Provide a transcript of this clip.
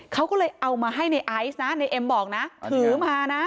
เขาก็เลยเอามาให้ในไอซ์นะในเอ็มบอกนะถือมานะ